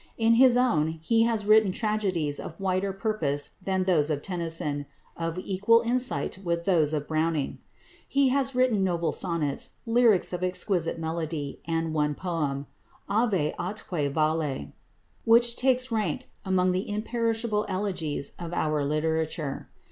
In his own he has written tragedies of wider purpose than those of Tennyson, of equal insight with those of Browning. He has written noble sonnets, lyrics of exquisite melody, and one poem, "Ave atque Vale," which takes rank among the imperishable elegies of our literature.